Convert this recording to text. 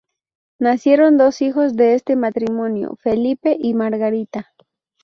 Nacieron dos hijos de este matrimonio: Felipe y Margarita.